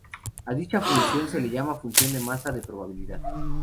A dicha función se le llama función de masa de probabilidad.